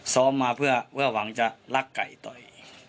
ซ้อมมาเพื่อหวังจะลักไก่ต่อย